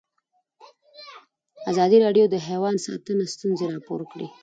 ازادي راډیو د حیوان ساتنه ستونزې راپور کړي.